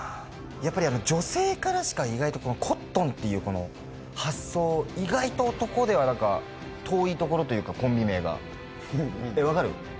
やっぱり女性からしか意外とこのコットンっていうこの発想意外と男では遠いところというかコンビ名がわかる？